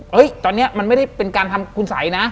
ตอนนี้มันไม่ได้เป็นการทำคุณสัยนะ